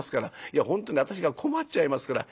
いや本当に私が困っちゃいますから。